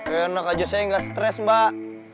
enak aja saya nggak stres mbak